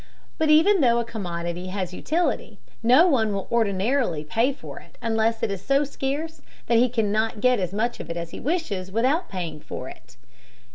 But even though a commodity has utility, no one will ordinarily pay for it unless it is so scarce that he cannot get as much of it as he wishes without paying for it.